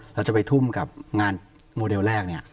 เราจะไปทุ่มกับงานโมเดลแรกเนี่ย